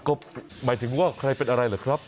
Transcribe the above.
ก็หมายถึงว่าใครเป็นอะไรหรือครับ